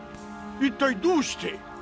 一体どうして？